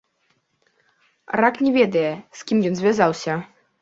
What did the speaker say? Рак не ведае, з кім ён звязаўся.